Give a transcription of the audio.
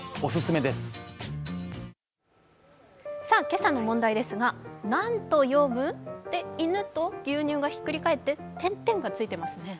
今朝の問題ですが、何と読む？で犬と牛乳がひっくり返って、点々がついてますね。